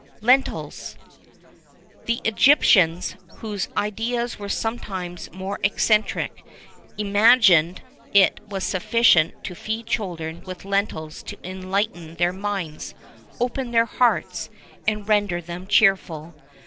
LENTILS. The Egyptians, whose ideas were sometimes most eccentric, imagined it was sufficient to feed children with lentils to enlighten their minds, open their hearts, and render them cheerful.